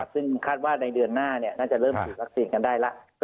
ซึ่งคาดว่าในเดือนหน้าน่าจะเริ่มฉีดวัคซีนกันได้แล้ว